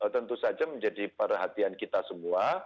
tentu saja menjadi perhatian kita semua